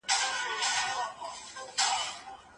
ايا ته په دې خبره پوهېږې؟